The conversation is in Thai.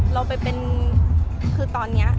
เราไปเป็นคือตอนนี้